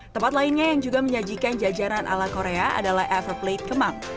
tempat lainnya yang juga menyajikan jajanan ala korea adalah ever plate kemang